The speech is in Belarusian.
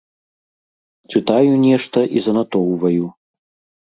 Чытаю нешта і занатоўваю.